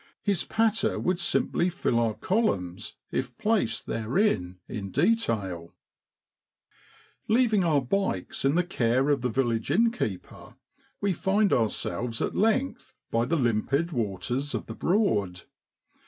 His patter would simply fill our columns, if placed therein in detail. 94 SEPTEMBER IN BROADLAND. Leaving our ' bikes ' in the care of the village innkeeper, we find ourselves at length by the limpid waters of the Broad.